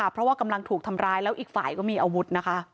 เพราะว่ากำลังถูกทำร้ายแล้วอีกฝ่ายก็มีอาวุธนะคะ